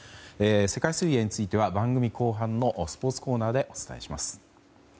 世界水泳については番組後半のスポーツコーナーでお伝えします。